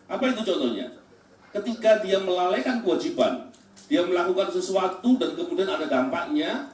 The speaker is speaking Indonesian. apa itu contohnya ketika dia melalekan kewajiban dia melakukan sesuatu dan kemudian ada dampaknya